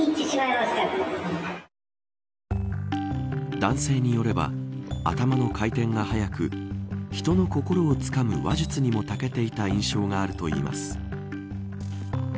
男性によれば、頭の回転が速く人の心をつかむ話術にもたけていた印象があるといいます。